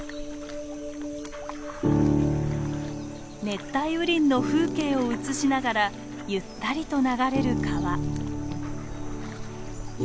熱帯雨林の風景を映しながらゆったりと流れる川。